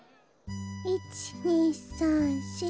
１２３４。